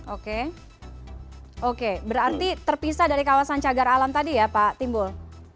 oke oke berarti terpisah dari kawasan cagar alam tadi ya pak timbul